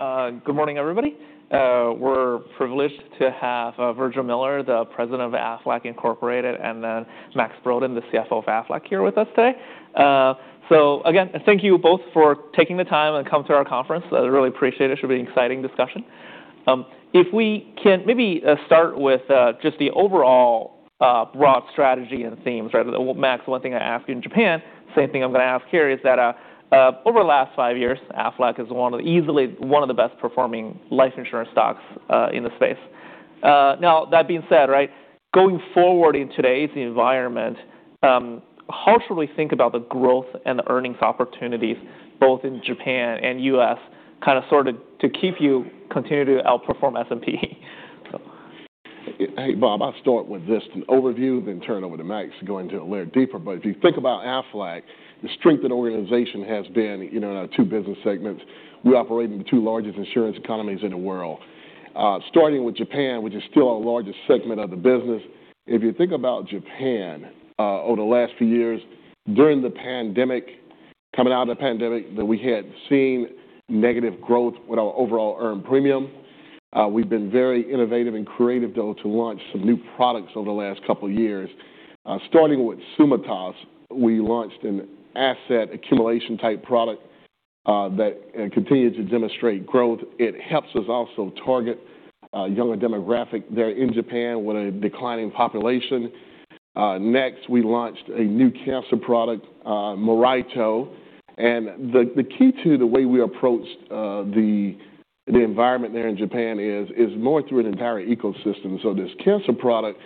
All right. Good morning, everybody. We're privileged to have Virgil Miller, the President of Aflac Incorporated, and then Max Brodén, the CFO of Aflac here with us today. Again, thank you both for taking the time and coming to our conference. I really appreciate it. Should be an exciting discussion. If we can maybe start with just the overall broad strategy and themes, right? Max, one thing I asked you in Japan, same thing I'm going to ask here, is that over the last five years, Aflac is easily one of the best-performing life insurance stocks in the space. Now, that being said, going forward in today's environment, how should we think about the growth and the earnings opportunities, both in Japan and U.S., kind of sorted to keep you continue to outperform S&P? Hey, Bob, I'll start with just an overview, then turn over to Max to go into it a little deeper. If you think about Aflac, the strength of the organization has been in our two business segments. We operate in the two largest insurance economies in the world. Starting with Japan, which is still our largest segment of the business, if you think about Japan over the last few years during the pandemic, coming out of the pandemic, that we had seen negative growth with our overall earned premium. We've been very innovative and creative, though, to launch some new products over the last couple of years. Starting with Tsumitasu, we launched an asset accumulation-type product that continued to demonstrate growth. It helps us also target a younger demographic there in Japan with a declining population. Next, we launched a new cancer product, Miraito. The key to the way we approached the environment there in Japan is more through an entire ecosystem. This cancer product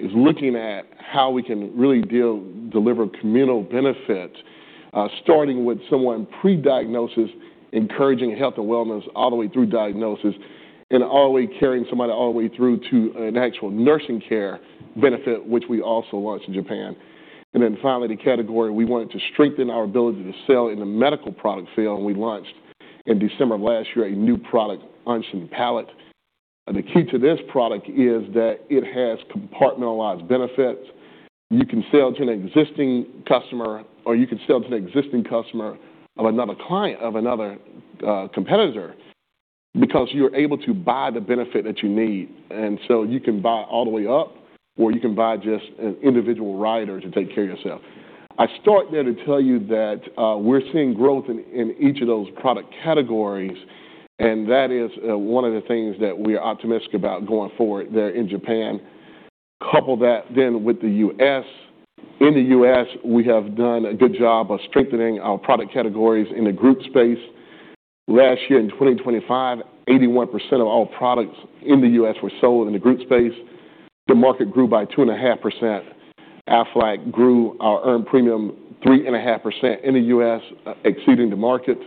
is looking at how we can really deliver communal benefits, starting with someone pre-diagnosis, encouraging health and wellness all the way through diagnosis, and all the way carrying somebody all the way through to an actual nursing care benefit, which we also launched in Japan. Finally, the category we wanted to strengthen our ability to sell in the medical product sale, and we launched in December of last year a new product, Anshin Palette. The key to this product is that it has compartmentalized benefits. You can sell to an existing customer, or you can sell to an existing customer of another client of another competitor because you're able to buy the benefit that you need. You can buy all the way up, or you can buy just an individual rider to take care of yourself. I start there to tell you that we're seeing growth in each of those product categories, and that is one of the things that we're optimistic about going forward there in Japan. Couple that with the U.S. In the U.S., we have done a good job of strengthening our product categories in the group space. Last year, in 2025, 81% of all products in the U.S. were sold in the group space. The market grew by 2.5%. Aflac grew our earned premium 3.5% in the U.S., exceeding the market.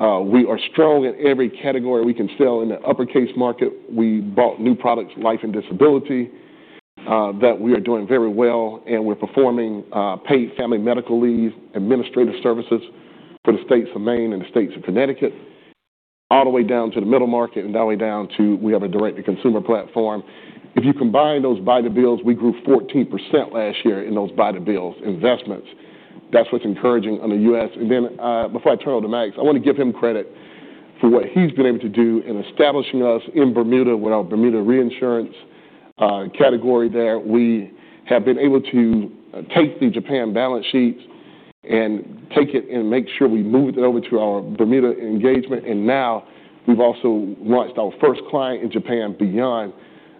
We are strong in every category we can sell in the large case market. We bought new products, Life and Disability, that we are doing very well, and we're performing paid family and medical leave, administrative services for the states of Maine and the States of Connecticut, all the way down to the middle market, and that way down to we have a direct-to-consumer platform. If you combine those T-bills, we grew 14% last year in those T-bills investments. That's what's encouraging on the U.S. Before I turn over to Max, I want to give him credit for what he's been able to do in establishing us in Bermuda with our Bermuda reinsurance category there. We have been able to take the Japan balance sheets and take it and make sure we moved it over to our Bermuda engagement. Now we've also launched our first client in Japan beyond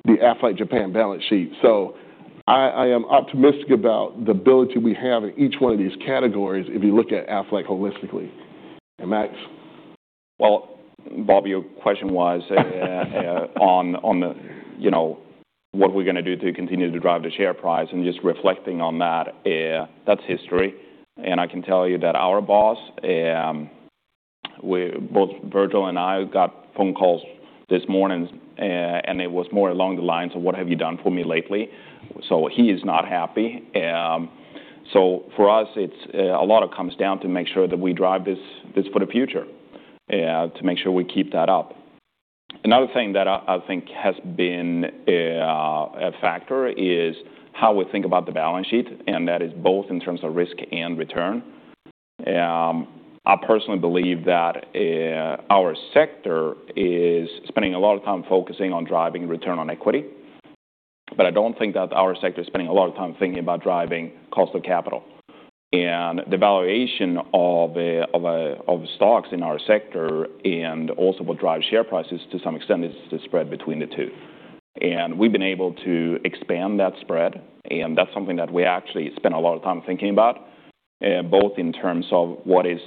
the Aflac Japan balance sheet. I am optimistic about the ability we have in each one of these categories if you look at Aflac holistically. Max. Well, Bob, your question was on what we're going to do to continue to drive the share price, and just reflecting on that's history. I can tell you that our boss, both Virgil and I got phone calls this morning, and it was more along the lines of, "What have you done for me lately?" He is not happy. For us, a lot of it comes down to make sure that we drive this for the future, to make sure we keep that up. Another thing that I think has been a factor is how we think about the balance sheet, and that is both in terms of risk and return. I personally believe that our sector is spending a lot of time focusing on driving return on equity, but I don't think that our sector is spending a lot of time thinking about driving cost of capital. The valuation of stocks in our sector and also what drives share prices to some extent is the spread between the two. We've been able to expand that spread, and that's something that we actually spend a lot of time thinking about, both in terms of what is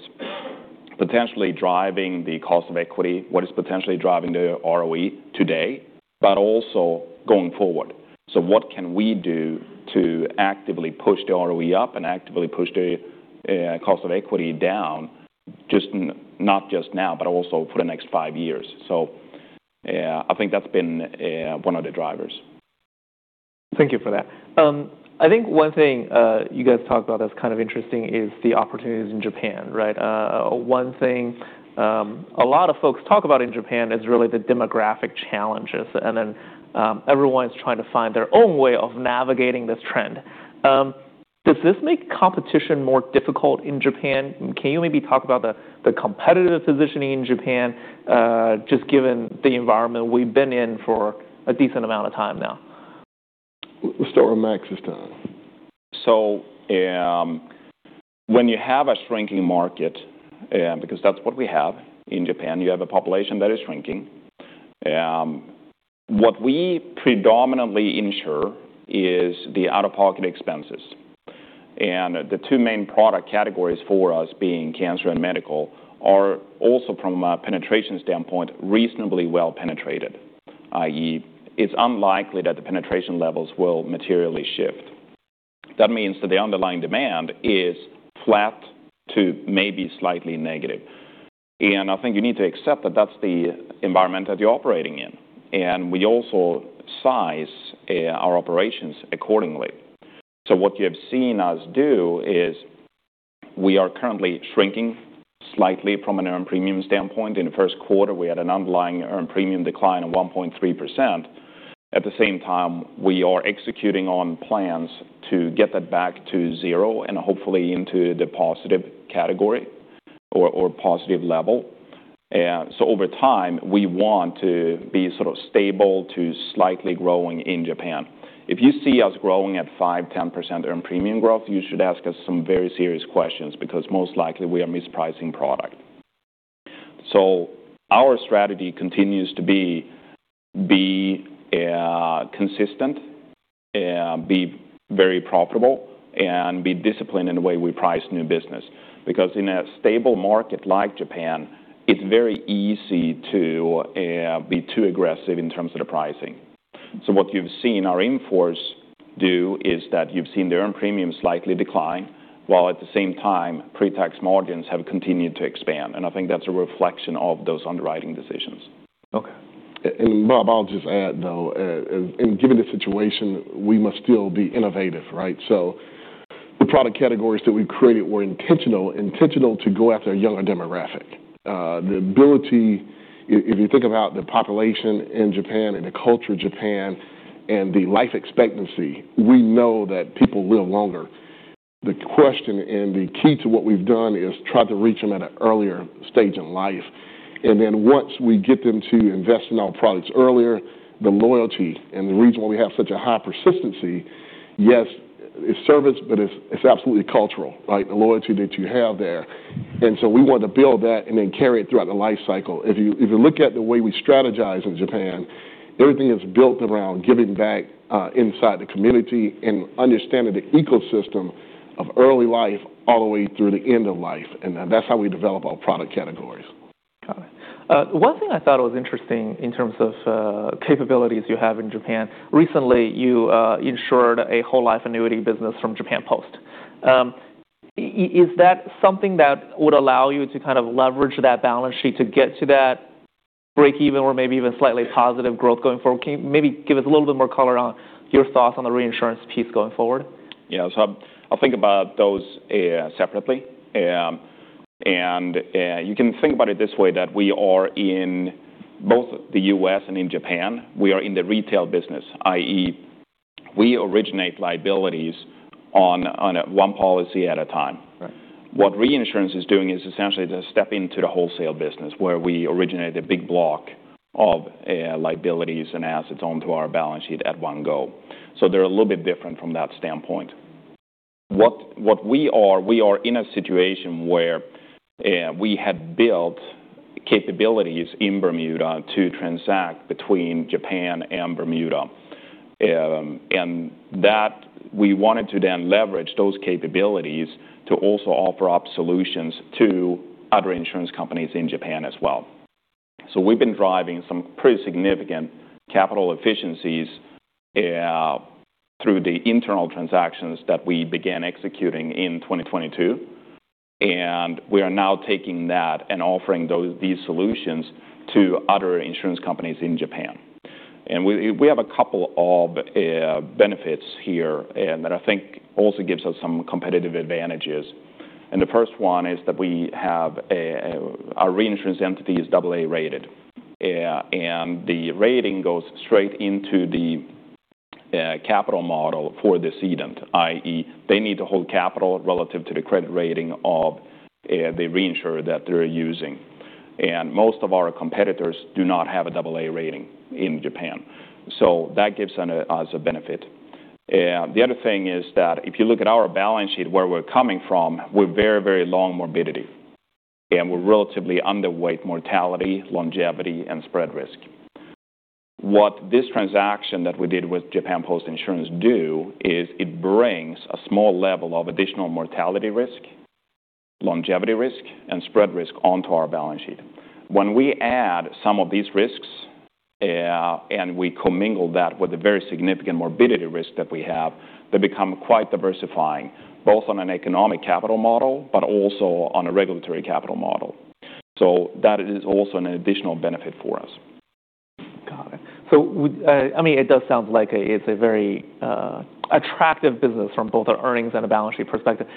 potentially driving the cost of equity, what is potentially driving the ROE today, but also going forward. What can we do to actively push the ROE up and actively push the cost of equity down, not just now, but also for the next five years? I think that's been one of the drivers. Thank you for that. I think one thing you guys talked about that's kind of interesting is the opportunities in Japan, right? One thing a lot of folks talk about in Japan is really the demographic challenges, everyone's trying to find their own way of navigating this trend. Does this make competition more difficult in Japan? Can you maybe talk about the competitive positioning in Japan, just given the environment we've been in for a decent amount of time now? We'll start with Max this time. When you have a shrinking market, because that's what we have in Japan, you have a population that is shrinking. What we predominantly insure is the out-of-pocket expenses, and the two main product categories for us, being cancer and medical, are also from a penetration standpoint, reasonably well-penetrated, i.e., it's unlikely that the penetration levels will materially shift. That means that the underlying demand is flat to maybe slightly negative. I think you need to accept that that's the environment that you're operating in. We also size our operations accordingly. What you have seen us do is we are currently shrinking slightly from an earned premium standpoint. In the first quarter, we had an underlying earned premium decline of 1.3%. At the same time, we are executing on plans to get that back to zero and hopefully into the positive category or positive level. Over time, we want to be sort of stable to slightly growing in Japan. If you see us growing at 5%, 10% earned premium growth, you should ask us some very serious questions because most likely we are mispricing product. Our strategy continues to be consistent, be very profitable, and be disciplined in the way we price new business. Because in a stable market like Japan, it's very easy to be too aggressive in terms of the pricing. What you've seen our in-force do is that you've seen the earned premium slightly decline, while at the same time, pre-tax margins have continued to expand, and I think that's a reflection of those underwriting decisions. Okay. Bob, I'll just add though, given the situation, we must still be innovative, right? The product categories that we created were intentional to go after a younger demographic. The ability, if you think about the population in Japan and the culture of Japan and the life expectancy, we know that people live longer. The question and the key to what we've done is try to reach them at an earlier stage in life. Once we get them to invest in our products earlier, the loyalty and the reason why we have such a high persistency, yes, it's service, but it's absolutely cultural, right? The loyalty that you have there. We want to build that and then carry it throughout the life cycle. If you look at the way we strategize in Japan, everything is built around giving back inside the community and understanding the ecosystem of early life all the way through the end of life. That's how we develop our product categories. Got it. One thing I thought was interesting in terms of capabilities you have in Japan, recently, you insured a whole life annuity business from Japan Post. Is that something that would allow you to kind of leverage that balance sheet to get to that break-even or maybe even slightly positive growth going forward? Can you maybe give us a little bit more color on your thoughts on the reinsurance piece going forward? Yeah. I'll think about those separately. You can think about it this way, that we are in both the U.S. and in Japan, we are in the retail business, i.e., we originate liabilities on a one policy at a time. Right. What reinsurance is doing is essentially to step into the wholesale business where we originate a big block of liabilities and assets onto our balance sheet at one go. They're a little bit different from that standpoint. What we are in a situation where we had built capabilities in Bermuda to transact between Japan and Bermuda. We wanted to leverage those capabilities to also offer up solutions to other insurance companies in Japan as well. We've been driving some pretty significant capital efficiencies through the internal transactions that we began executing in 2022. We are now taking that and offering these solutions to other insurance companies in Japan. We have a couple of benefits here, and that I think also gives us some competitive advantages. The first one is that we have our reinsurance entity is AA rated, and the rating goes straight into the capital model for the cedent, i.e., they need to hold capital relative to the credit rating of the reinsurer that they're using. Most of our competitors do not have a AA rating in Japan. That gives us a benefit. The other thing is that if you look at our balance sheet where we're coming from, we're very, very long morbidity, and we're relatively underweight mortality, longevity, and spread risk. What this transaction that we did with Japan Post Insurance do is it brings a small level of additional mortality risk, longevity risk, and spread risk onto our balance sheet. When we add some of these risks, we commingle that with the very significant morbidity risk that we have, they become quite diversifying, both on an economic capital model, but also on a regulatory capital model. That is also an additional benefit for us. Got it. It does sound like it's a very attractive business from both an earnings and a balance sheet perspective.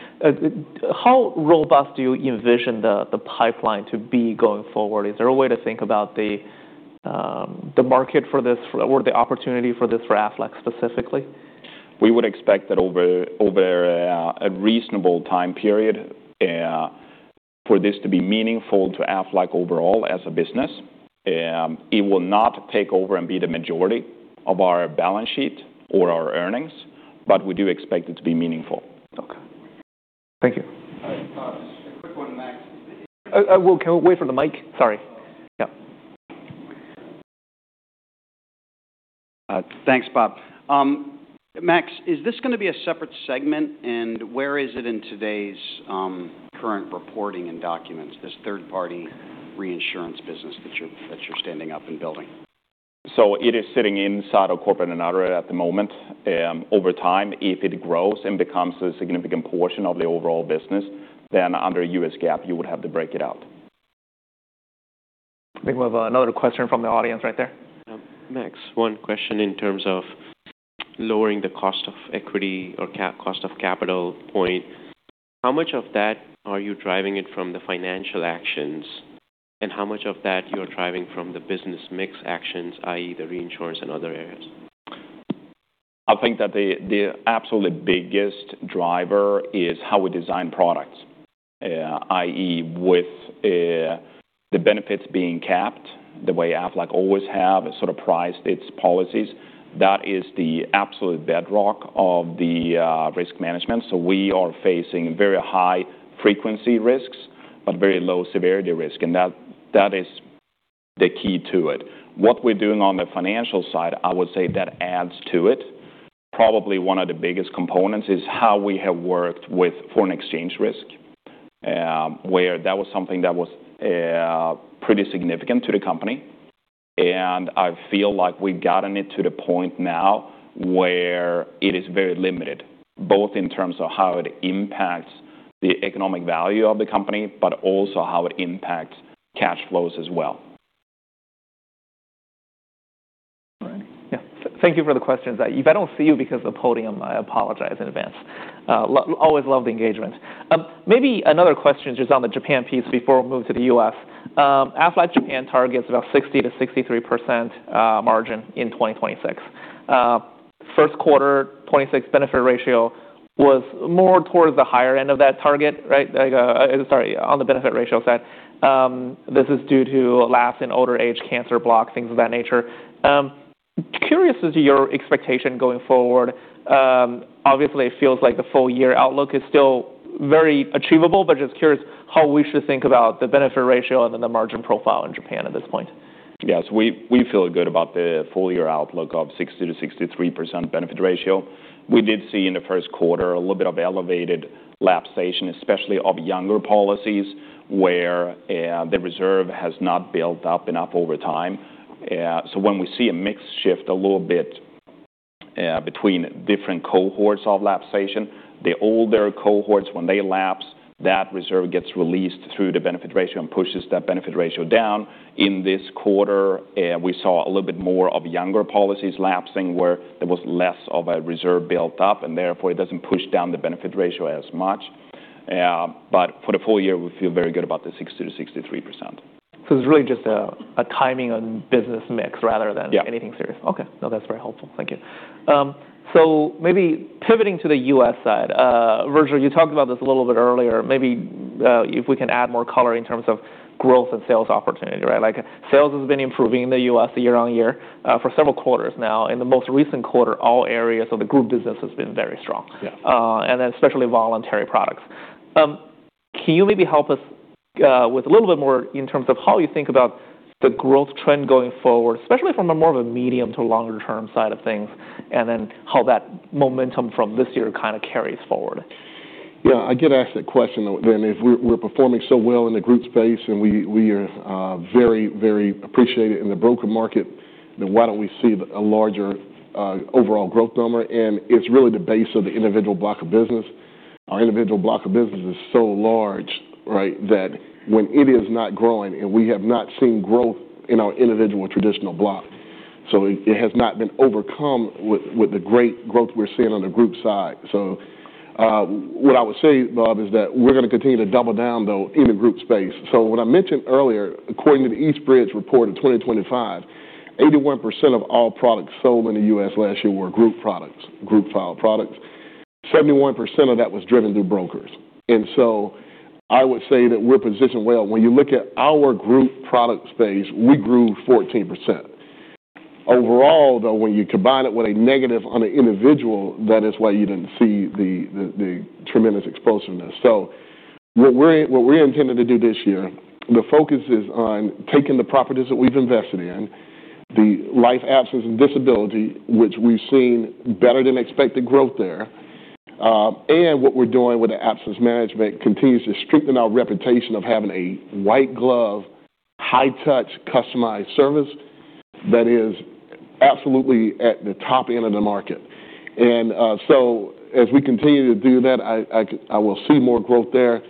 How robust do you envision the pipeline to be going forward? Is there a way to think about the market for this or the opportunity for this for Aflac specifically? We would expect that over a reasonable time period for this to be meaningful to Aflac overall as a business. It will not take over and be the majority of our balance sheet or our earnings, but we do expect it to be meaningful. Okay. Thank you. A quick one, Max. Oh, well, wait for the mic. Sorry. Yeah. Thanks, Bob. Max, is this going to be a separate segment, where is it in today's current reporting and documents, this third-party reinsurance business that you're standing up and building? It is sitting inside of corporate and other at the moment. Over time, if it grows and becomes a significant portion of the overall business, then under U.S. GAAP, you would have to break it out. Think we have another question from the audience right there. Max, one question in terms of lowering the cost of equity or cost of capital point. How much of that are you driving it from the financial actions, how much of that you are driving from the business mix actions, i.e., the reinsurance and other areas? I think that the absolute biggest driver is how we design products, i.e., with the benefits being capped the way Aflac always have sort of priced its policies. That is the absolute bedrock of the risk management. We are facing very high frequency risks, but very low severity risk, and that is the key to it. What we're doing on the financial side, I would say that adds to it. Probably one of the biggest components is how we have worked with foreign exchange risk, where that was something that was pretty significant to the company, and I feel like we've gotten it to the point now where it is very limited, both in terms of how it impacts the economic value of the company, but also how it impacts cash flows as well. All right. Yeah. Thank you for the questions. If I don't see you because of the podium, I apologize in advance. Always love the engagement. Maybe another question just on the Japan piece before we move to the U.S. Aflac Japan targets about 60%-63% margin in 2026. First quarter, 2026 benefit ratio was more towards the higher end of that target, right? Sorry, on the benefit ratio side. This is due to lapse in older age cancer block, things of that nature. Curious as to your expectation going forward. Obviously, it feels like the full-year outlook is still very achievable, but just curious how we should think about the benefit ratio and then the margin profile in Japan at this point. Yes, we feel good about the full-year outlook of 60%-63% benefit ratio. We did see in the first quarter a little bit of elevated lapsation, especially of younger policies, where the reserve has not built up enough over time. When we see a mix shift a little bit between different cohorts of lapsation, the older cohorts, when they lapse, that reserve gets released through the benefit ratio and pushes that benefit ratio down. In this quarter, we saw a little bit more of younger policies lapsing, where there was less of a reserve built up, and therefore, it doesn't push down the benefit ratio as much. But for the full year, we feel very good about the 60%-63%. It's really just a timing on business mix rather than. Yeah Anything serious. Okay. No, that's very helpful. Thank you. Maybe pivoting to the U.S. side. Virgil, you talked about this a little bit earlier. Maybe if we can add more color in terms of growth and sales opportunity, right? Sales has been improving in the U.S. year-over-year for several quarters now. In the most recent quarter, all areas of the group business has been very strong. Yeah. Especially voluntary products. Can you maybe help us with a little bit more in terms of how you think about the growth trend going forward, especially from a more of a medium to longer term side of things, and then how that momentum from this year kind of carries forward? Yeah, I get asked that question if we're performing so well in the group space and we are very appreciated in the broker market, then why don't we see a larger overall growth number? It's really the base of the individual block of business. Our individual block of business is so large, right, that when it is not growing, and we have not seen growth in our individual traditional block, so it has not been overcome with the great growth we're seeing on the group side. What I would say, Bob, is that we're going to continue to double down, though, in the group space. What I mentioned earlier, according to the Eastbridge report in 2025, 81% of all products sold in the U.S. last year were group products, group file products. 71% of that was driven through brokers. I would say that we're positioned well. When you look at our group product space, we grew 14%. Overall, though, when you combine it with a negative on the individual, that is why you didn't see the tremendous explosiveness. What we're intending to do this year, the focus is on taking the properties that we've invested in, the Life, Absence and Disability, which we've seen better than expected growth there. What we're doing with the absence management continues to strengthen our reputation of having a white glove, high touch, customized service that is absolutely at the top end of the market. As we continue to do that, I will see more growth there.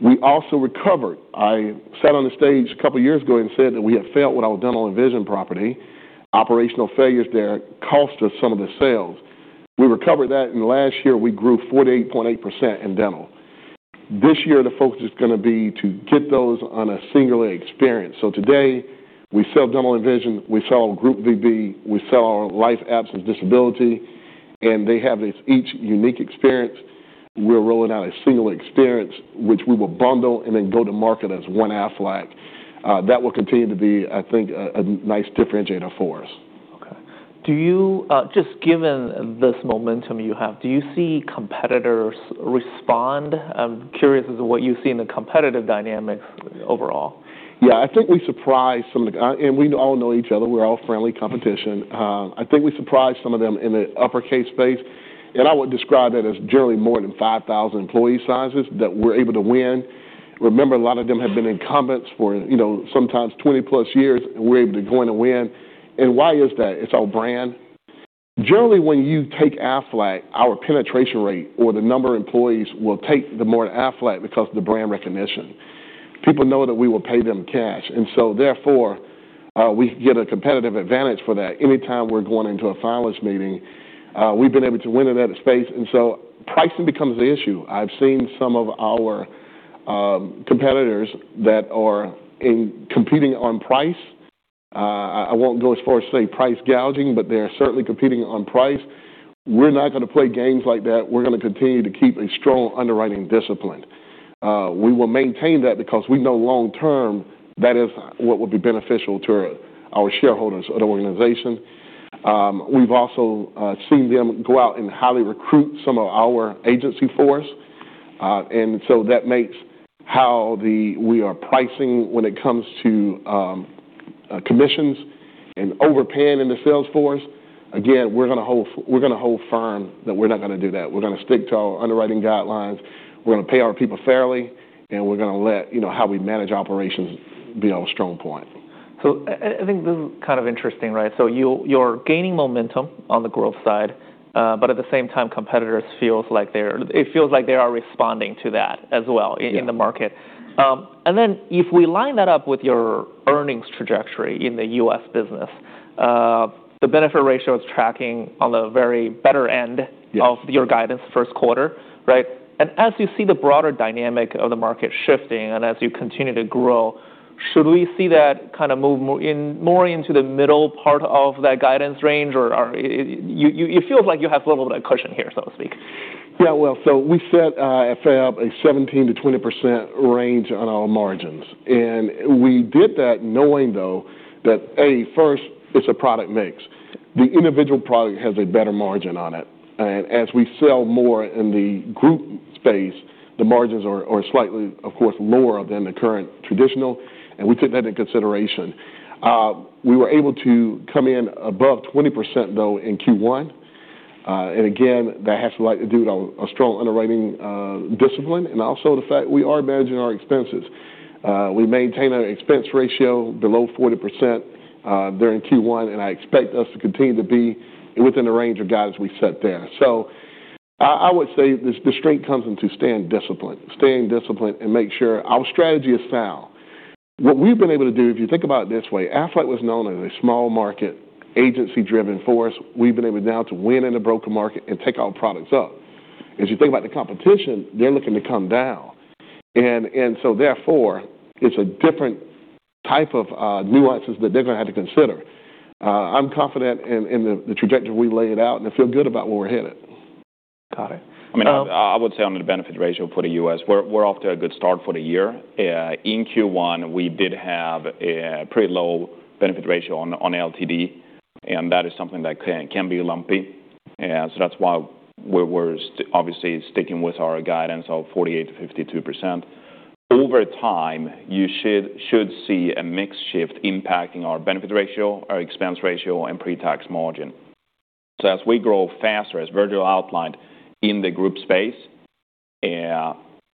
We also recovered. I sat on the stage a couple of years ago and said that we had failed with our Dental and Vision property. Operational failures there cost us some of the sales. We recovered that in the last year. We grew 48.8% in dental. This year, the focus is going to be to get those on a singular experience. Today, we sell Dental and Vision, we sell group VB, we sell our Life, Absence and Disability, and they have this each unique experience. We're rolling out a single experience, which we will bundle and then go to market as one Aflac. That will continue to be, I think, a nice differentiator for us. Okay. Just given this momentum you have, do you see competitors respond? I'm curious as to what you see in the competitive dynamics overall. Yeah. I think we surprised some of them. We all know each other. We're all friendly competition. I think we surprised some of them in the upper case space, and I would describe that as generally more than 5,000 employee sizes that we're able to win. Remember, a lot of them have been incumbents for sometimes 20-plus years, and we're able to go in and win. Why is that? It's our brand. Generally, when you take Aflac, our penetration rate or the number of employees will take the more Aflac because of the brand recognition. People know that we will pay them cash, therefore, we get a competitive advantage for that. Anytime we're going into a finalist meeting, we've been able to win in that space, pricing becomes the issue. I've seen some of our competitors that are competing on price. I won't go as far as to say price gouging, they're certainly competing on price. We're not going to play games like that. We're going to continue to keep a strong underwriting discipline. We will maintain that because we know long term, that is what will be beneficial to our shareholders at our organization. We've also seen them go out and highly recruit some of our agency force. That makes how we are pricing when it comes to commissions and overpaying in the sales force. Again, we're going to hold firm that we're not going to do that. We're going to stick to our underwriting guidelines, we're going to pay our people fairly, and we're going to let how we manage operations be our strong point. I think this is kind of interesting, right? You're gaining momentum on the growth side, but at the same time, competitors, it feels like they are responding to that as well in the market. Yeah. If we line that up with your earnings trajectory in the U.S. business, the benefit ratio is tracking on the very better end. Yes Of your guidance first quarter, right? As you see the broader dynamic of the market shifting and as you continue to grow, should we see that kind of move more into the middle part of that guidance range, or it feels like you have a little bit of cushion here, so to speak. Yeah. Well, we set, at FAB, a 17%-20% range on our margins. We did that knowing, though, that, A, first, it's a product mix. The individual product has a better margin on it. As we sell more in the group space, the margins are slightly, of course, lower than the current traditional, and we took that into consideration. We were able to come in above 20%, though, in Q1. Again, that has to do with our strong underwriting discipline and also the fact we are managing our expenses. We maintain an expense ratio below 40% during Q1, and I expect us to continue to be within the range of guidance we set there. I would say the strength comes into staying disciplined. Staying disciplined and make sure our strategy is sound. What we've been able to do, if you think about it this way, Aflac was known as a small market, agency-driven force. We've been able now to win in the broker market and take our products up. As you think about the competition, they're looking to come down, therefore, it's a different type of nuances that they're going to have to consider. I'm confident in the trajectory we laid out, and I feel good about where we're headed. Got it. I would say on the benefit ratio for the U.S., we're off to a good start for the year. In Q1, we did have a pretty low benefit ratio on LTD, and that is something that can be lumpy. That's why we're obviously sticking with our guidance of 48%-52%. Over time, you should see a mix shift impacting our benefit ratio, our expense ratio, and pre-tax margin. As we grow faster, as Virgil outlined, in the group space,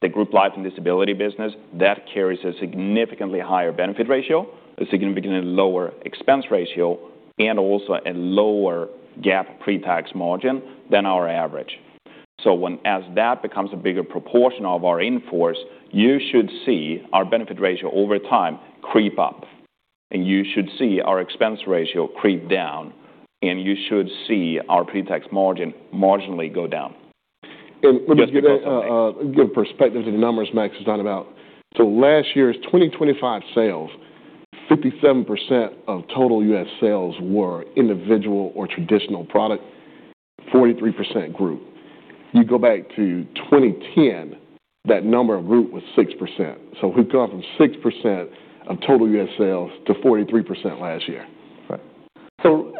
the Group Life and Disability business, that carries a significantly higher benefit ratio, a significantly lower expense ratio, and also a lower GAAP pre-tax margin than our average. As that becomes a bigger proportion of our in-force, you should see our benefit ratio over time creep up, and you should see our expense ratio creep down, and you should see our pre-tax margin marginally go down. Just to call something. Let me give perspective to the numbers Max is talking about. Last year's 2025 sales, 57% of total U.S. sales were individual or traditional product, 43% group. You go back to 2010, that number of group was 6%. We've gone from 6% of total U.S. sales to 43% last year. Right.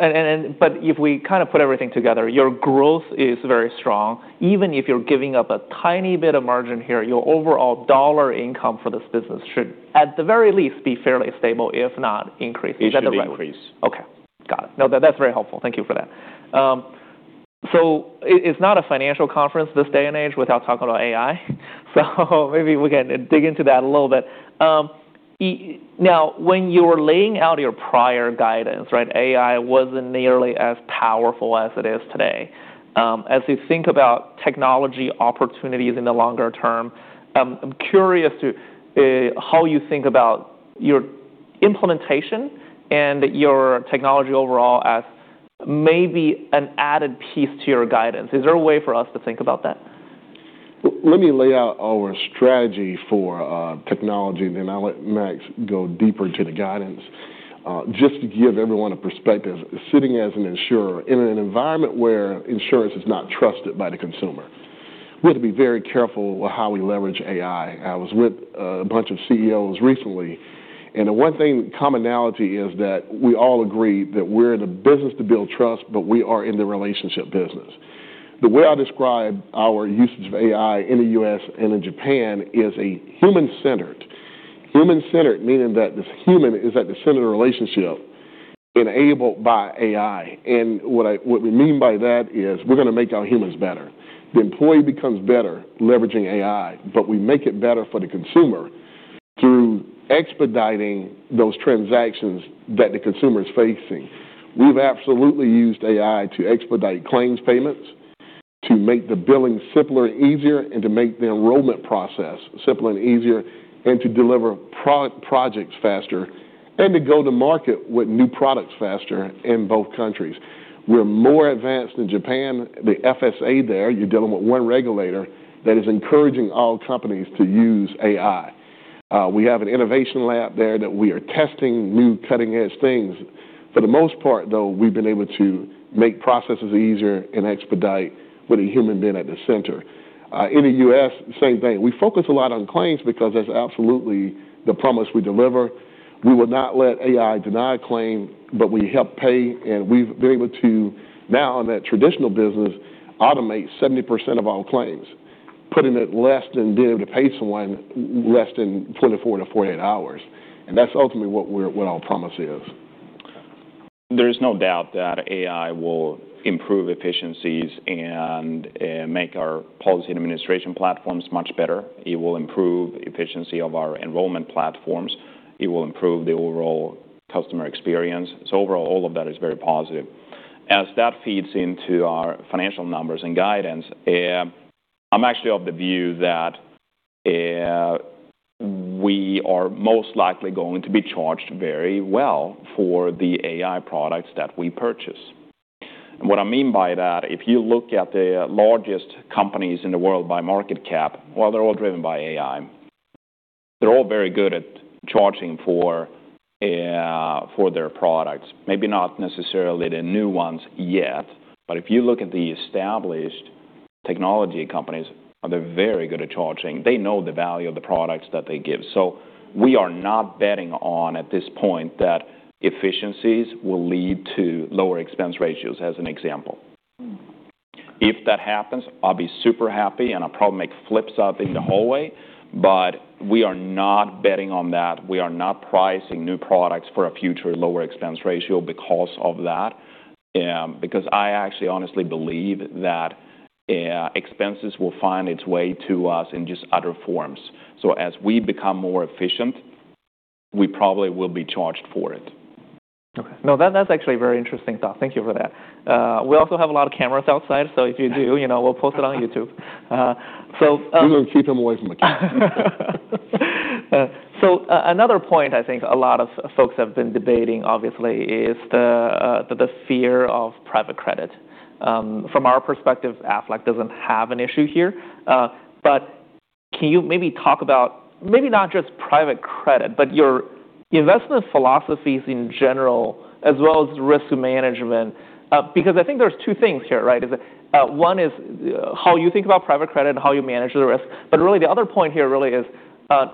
If we kind of put everything together, your growth is very strong. Even if you're giving up a tiny bit of margin here, your overall dollar income for this business should, at the very least, be fairly stable, if not increasing at a rate. It should increase. Okay. Got it. That's very helpful. Thank you for that. It's not a financial conference this day and age without talking about AI, so maybe we can dig into that a little bit. When you were laying out your prior guidance, AI wasn't nearly as powerful as it is today. We think about technology opportunities in the longer term, I'm curious to how you think about your implementation and your technology overall as maybe an added piece to your guidance. Is there a way for us to think about that? Let me lay out our strategy for technology. I'll let Max go deeper into the guidance. Just to give everyone a perspective, sitting as an insurer in an environment where insurance is not trusted by the consumer, we have to be very careful how we leverage AI. I was with a bunch of CEOs recently, and the one thing commonality is that we all agree that we're in the business to build trust, but we are in the relationship business. The way I describe our usage of AI in the U.S. and in Japan is a human-centered. Human-centered meaning that the human is at the center of the relationship enabled by AI. What we mean by that is we're going to make our humans better. The employee becomes better leveraging AI, but we make it better for the consumer through expediting those transactions that the consumer is facing. We've absolutely used AI to expedite claims payments, to make the billing simpler and easier, and to make the enrollment process simpler and easier, and to deliver projects faster, and to go to market with new products faster in both countries. We're more advanced in Japan. The FSA there, you're dealing with one regulator that is encouraging all companies to use AI. We have an innovation lab there that we are testing new cutting-edge things. For the most part, though, we've been able to make processes easier and expedite with a human being at the center. In the U.S., same thing. We focus a lot on claims because that's absolutely the promise we deliver. We will not let AI deny a claim, but we help pay, and we've been able to now in that traditional business, automate 70% of all claims, putting it less than being able to pay someone less than 24-48 hours. That's ultimately what our promise is. There is no doubt that AI will improve efficiencies and make our policy and administration platforms much better. It will improve efficiency of our enrollment platforms. It will improve the overall customer experience. Overall, all of that is very positive. As that feeds into our financial numbers and guidance, I'm actually of the view that we are most likely going to be charged very well for the AI products that we purchase. What I mean by that, if you look at the largest companies in the world by market cap, well, they're all driven by AI. They're all very good at charging for their products. Maybe not necessarily the new ones yet, but if you look at the established technology companies, they're very good at charging. They know the value of the products that they give. We are not betting on at this point that efficiencies will lead to lower expense ratios as an example. If that happens, I'll be super happy, and I'll probably make flips up in the hallway, we are not betting on that. We are not pricing new products for a future lower expense ratio because of that, because I actually honestly believe that expenses will find its way to us in just other forms. As we become more efficient, we probably will be charged for it. Okay. No, that's actually a very interesting thought. Thank you for that. We also have a lot of cameras outside, so if you do, we'll post it on YouTube. You will keep him away from the camera. Another point I think a lot of folks have been debating, obviously, is the fear of private credit. From our perspective, Aflac doesn't have an issue here. Can you maybe talk about maybe not just private credit, but your investment philosophies in general as well as risk management? I think there's two things here. One is how you think about private credit and how you manage the risk, really the other point here really is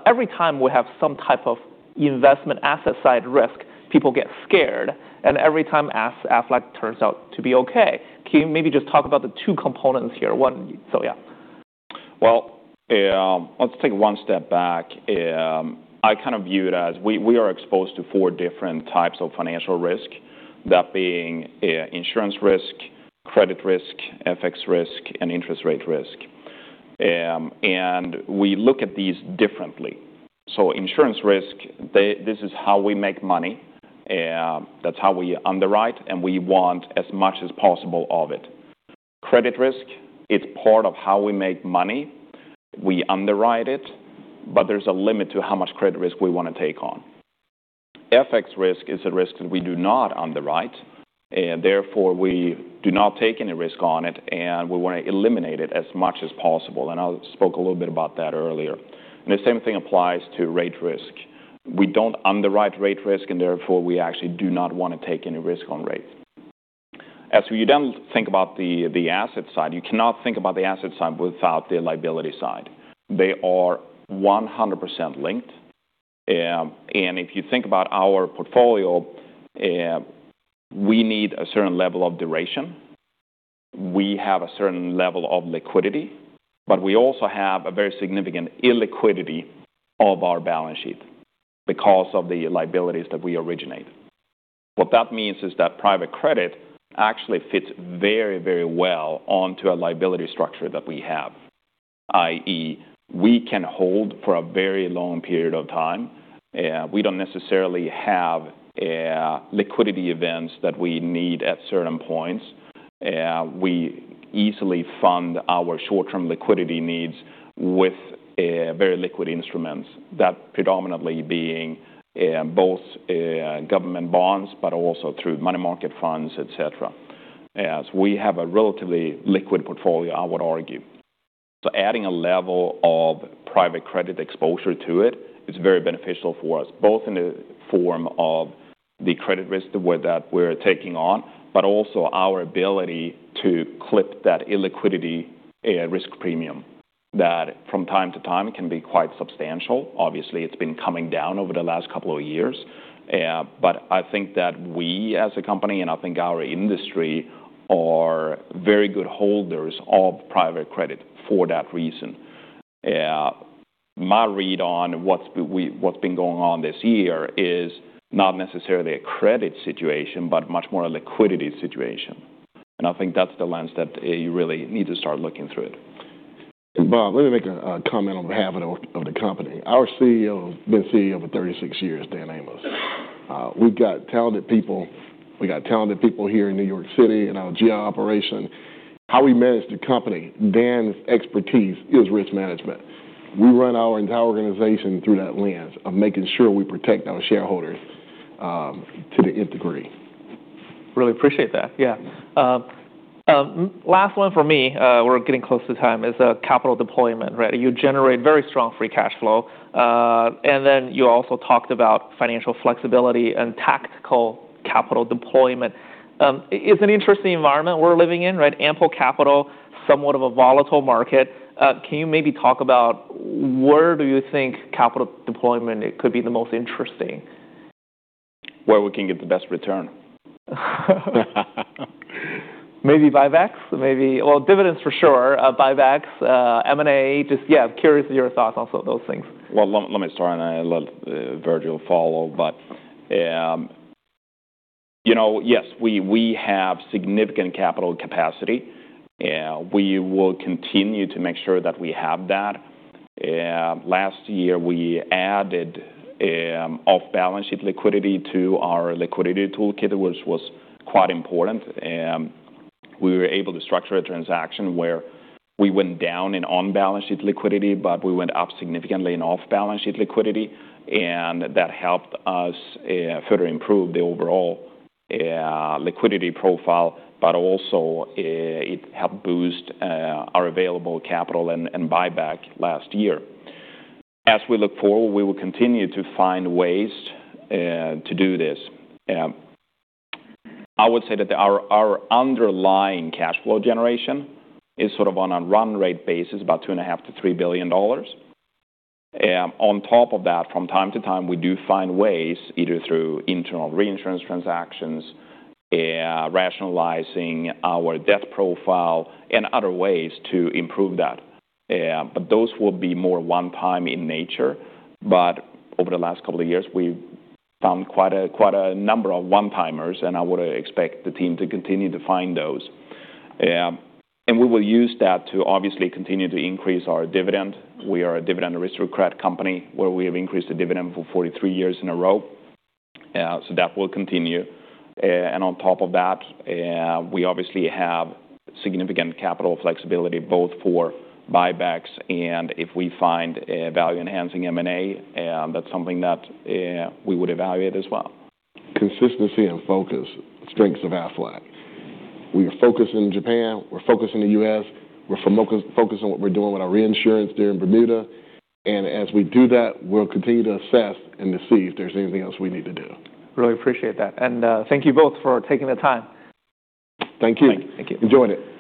every time we have some type of investment asset-side risk, people get scared, and every time Aflac turns out to be okay. Can you maybe just talk about the two components here? So yeah. Let's take one step back. I kind of view it as we are exposed to four different types of financial risk, that being insurance risk, credit risk, FX risk, and interest rate risk. We look at these differently. Insurance risk, this is how we make money. That's how we underwrite, and we want as much as possible of it. Credit risk, it's part of how we make money. We underwrite it, but there's a limit to how much credit risk we want to take on. FX risk is a risk that we do not underwrite, and therefore, we do not take any risk on it, and we want to eliminate it as much as possible. I spoke a little bit about that earlier. The same thing applies to rate risk. We don't underwrite rate risk, and therefore, we actually do not want to take any risk on rate. You then think about the asset side, you cannot think about the asset side without the liability side. They are 100% linked. If you think about our portfolio, we need a certain level of duration. We have a certain level of liquidity, but we also have a very significant illiquidity of our balance sheet because of the liabilities that we originate. What that means is that private credit actually fits very well onto a liability structure that we have, i.e., we can hold for a very long period of time. We don't necessarily have liquidity events that we need at certain points. We easily fund our short-term liquidity needs with very liquid instruments, that predominantly being both government bonds but also through money market funds, et cetera. We have a relatively liquid portfolio, I would argue. Adding a level of private credit exposure to it is very beneficial for us, both in the form of the credit risk that we're taking on, but also our ability to clip that illiquidity risk premium that from time to time can be quite substantial. Obviously, it's been coming down over the last couple of years, but I think that we as a company, and I think our industry, are very good holders of private credit for that reason. My read on what's been going on this year is not necessarily a credit situation, but much more a liquidity situation. I think that's the lens that you really need to start looking through it. Bob, let me make a comment on behalf of the company. Our CEO has been CEO for 36 years, Dan Amos. We've got talented people. We got talented people here in New York City and our GI operation. How we manage the company, Dan's expertise is risk management. We run our entire organization through that lens of making sure we protect our shareholders to the 8th degree. Really appreciate that. Yeah. Last one from me, we're getting close to time, is capital deployment, right? You generate very strong free cash flow. You also talked about financial flexibility and tactical capital deployment. It's an interesting environment we're living in, right? Ample capital, somewhat of a volatile market. Can you maybe talk about where do you think capital deployment could be the most interesting? Where we can get the best return. Maybe buybacks? Well, dividends for sure. Buybacks, M&A. Just, yeah, I'm curious of your thoughts on sort of those things. Well, let me start, and I'll let Virgil Miller follow. Yes, we have significant capital capacity. We will continue to make sure that we have that. Last year, we added off-balance sheet liquidity to our liquidity toolkit, which was quite important. We were able to structure a transaction where we went down in on-balance sheet liquidity, but we went up significantly in off-balance sheet liquidity, and that helped us further improve the overall liquidity profile, but also it helped boost our available capital and buyback last year. As we look forward, we will continue to find ways to do this. I would say that our underlying cash flow generation is sort of on a run rate basis, about $2.5 billion-$3 billion. On top of that, from time to time, we do find ways, either through internal reinsurance transactions, rationalizing our debt profile, and other ways to improve that. Those will be more one-time in nature. Over the last couple of years, we've done quite a number of one-timers, and I would expect the team to continue to find those. We will use that to obviously continue to increase our dividend. We are a Dividend Aristocrat company, where we have increased the dividend for 43 years in a row. That will continue. On top of that, we obviously have significant capital flexibility both for buybacks and if we find value enhancing M&A, that's something that we would evaluate as well. Consistency and focus, strengths of Aflac. We are focused in Japan. We're focused in the U.S. We're focused on what we're doing with our reinsurance there in Bermuda. As we do that, we'll continue to assess and to see if there's anything else we need to do. Really appreciate that. Thank you both for taking the time. Thank you. Thank you. Enjoyed it.